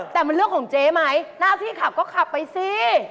แต่มันเรื่องของเจ๊ไหมหน้าที่ขับก็ขับไปสิ